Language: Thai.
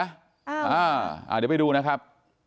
เดี๋ยวไปดูนะครับ